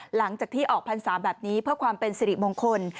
หลังจากที่ออกพรรษาแบบนี้เพื่อความเป็นสิริมงคล